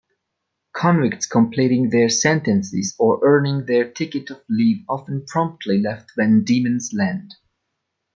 Convicts completing their sentences or earning their ticket-of-leave often promptly left Van Diemen's Land.